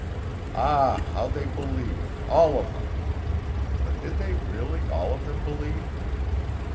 Ah! how they believed, all of them! (But did they really all of them believe?)